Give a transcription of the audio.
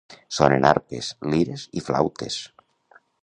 Sonen arpes, lires i flautes!